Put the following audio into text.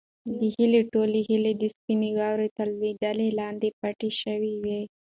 د هیلې ټولې هیلې د سپینې واورې تر لوندوالي لاندې پټې شوې وې.